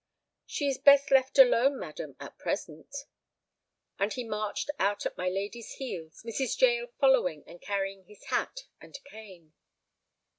"She is best left alone, madam, at present." And he marched out at my lady's heels, Mrs. Jael following and carrying his hat and cane.